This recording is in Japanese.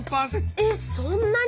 えっそんなに！？